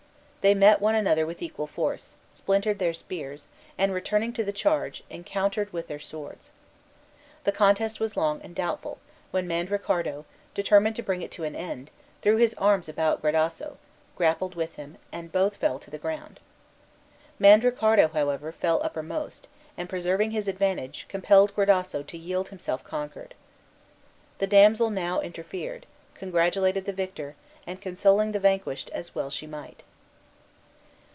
They met one another with equal force, splintered their spears, and, returning to the charge, encountered with their swords. The contest was long and doubtful, when Mandricardo, determined to bring it to an end, threw his arms about Gradasso, grappled with him, and both fell to the ground. Mandricardo, however, fell uppermost, and, preserving his advantage, compelled Gradasso to yield himself conquered. The damsel now interfered, congratulating the victor, and consoling the vanquished as well as she might.